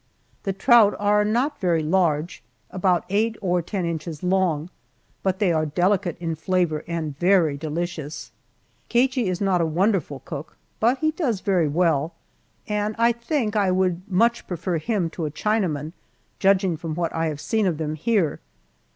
The trout are not very large, about eight and ten inches long, but they are delicate in flavor and very delicious. Cagey is not a wonderful cook, but he does very well, and I think that I would much prefer him to a Chinaman, judging from what I have seen of them here.